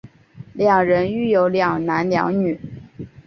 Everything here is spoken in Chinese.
两人育有两男两女。